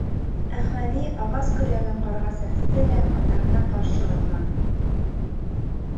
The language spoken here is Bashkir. Әхмәҙи ағас көрәген ҡарға сәнсте лә атаһына ҡаршы атланы.